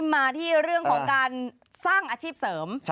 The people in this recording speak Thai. มาที่เรื่องของการสร้างอาชีพเสริม